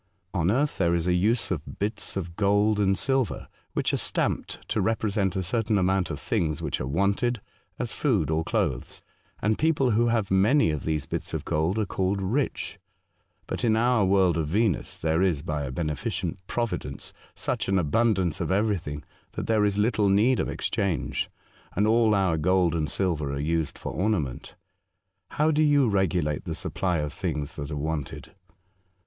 On earth there is a use of bits of gold and silver, which are stamped to represent a certain amount of things which are wanted, as food or clothes, and people who have many of these bits of gold are called rich ; but in our world of Venus there is by a beneficent providence such an abundance of everything that there is little 142 A Voyage to Other Worlds, need of excliange, and all our gold and silver are used for ornament. How do you regulate the supply of things that are wanted